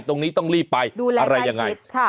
ตรงนี้ต้องรีบไปอะไรยังไงดูแลกับอันติดค่ะ